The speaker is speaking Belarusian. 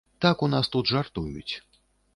Так у нас тут жартуюць.